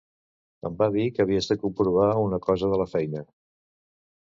Em va dir que havies de comprovar una cosa de la feina.